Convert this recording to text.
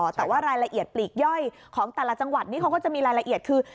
แต่ว่ารายละเอียดปลีกย่อยของแต่ละจังหวัดนี้เขาก็จะมีรายละเอียดคือ